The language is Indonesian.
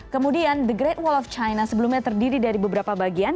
kemudian the great wall of china sebelumnya terdiri dari beberapa bagian